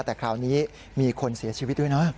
แต่คราวนี้มีคนเสียชีวิตด้วยนะ